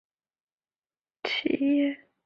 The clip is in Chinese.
适用于大多企业。